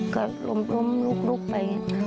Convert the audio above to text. ก็ล้มลุกไป